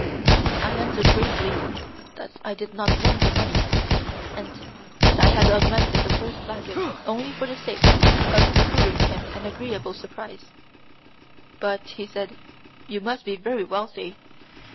I answered gravely that I did not want the money, and that I had augmented the first flagon only for the sake of procuring him an agreeable surprise. "But," said he, "you must be very wealthy."